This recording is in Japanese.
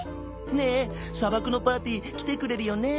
「ねえさばくのパーティーきてくれるよね？」。